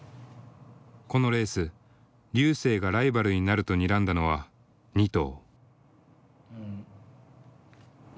このレース瑠星がライバルになるとにらんだのは２頭。